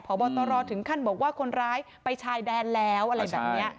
พบตรถึงขั้นบอกว่าคนร้ายไปชายแดนแล้วอะไรแบบนี้